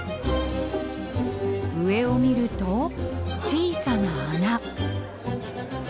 上を見ると小さな穴。